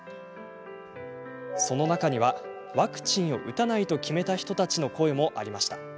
その中にはワクチンを打たないと決めた人たちの声もありました。